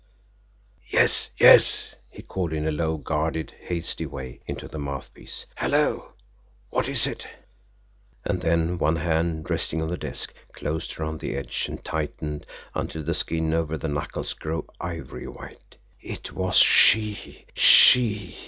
"Yes, yes!" he called, in a low, guarded, hasty way, into the mouthpiece. "Hello! What is it?" And then one hand, resting on the desk, closed around the edge, and tightened until the skin over the knuckles grew ivory white. It was SHE! She!